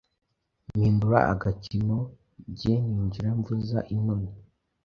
Mpindura agakino jye ninjira mvuza inoni